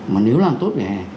mà nếu làm tốt vỉa hè